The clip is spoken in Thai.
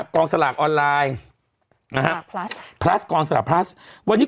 กองสลากออนไลน์